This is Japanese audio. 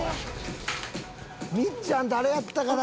「みっちゃん誰やったかな？